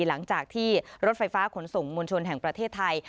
หลังจากที่รถไฟฟ้าขนส่งมวลชนแห่งประเทศไทย